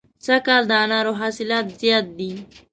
سږ کال د انارو حاصلات زیات دي.